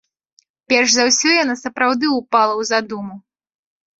Перш за ўсё яна сапраўды ўпала ў задуму.